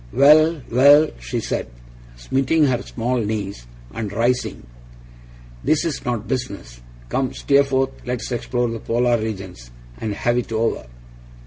'Well, well!' she said, smiting her small knees, and rising, 'this is not business. Come, Steerforth, let's explore the polar regions, and have it over.